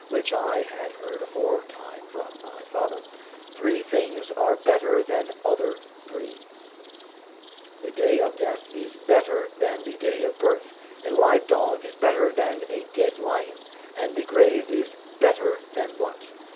which I had heard aforetime from my father, "Three things are better than other three: the day of death is better than the day of birth, a live dog is better than a dead lion, and the grave is better than want."